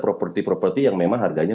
properti properti yang memang harganya